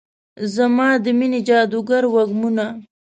زما د میینې جادوګر وږمونه